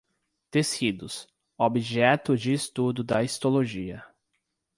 Tecidos: objeto de estudo da histologia